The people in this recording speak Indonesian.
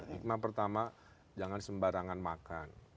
hikmah pertama jangan sembarangan makan